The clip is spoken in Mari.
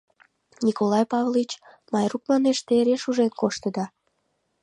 — Николай Павлович, Майрук манеш, те эре шужен коштыда.